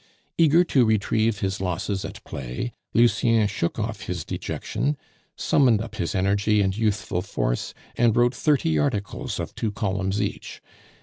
Eager to retrieve his losses at play, Lucien shook off his dejection, summoned up his energy and youthful force, and wrote thirty articles of two columns each.